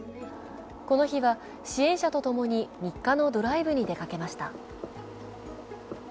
この日は支援者とともに日課のドライブに出かけました。